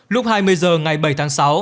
lúc hai mươi h ngày bảy tháng sáu